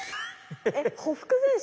えっほふく前進？